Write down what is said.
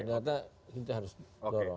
ternyata kita harus didorong